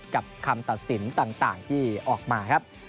คำตัดสินต่างที่ออกมาครับ